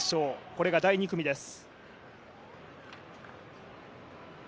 これが第２組です。